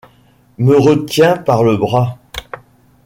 me retient par le bras.